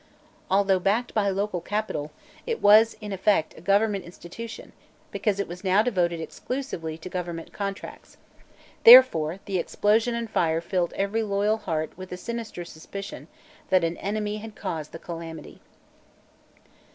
Although backed by local capital, it was, in effect, a government institution because it was now devoted exclusively to government contracts; therefore the explosion and fire filled every loyal heart with a sinister suspicion that an enemy had caused the calamity.